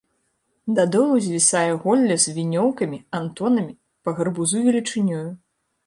Да долу звісае голле з вінёўкамі, антонамі, па гарбузу велічынёю.